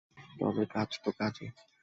তবে কাজতো কাজই।